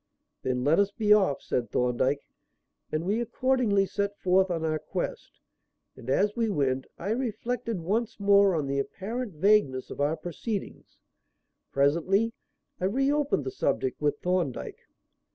"Then let us be off," said Thorndyke; and we accordingly set forth on our quest; and, as we went, I reflected once more on the apparent vagueness of our proceedings. Presently I reopened the subject with Thorndyke.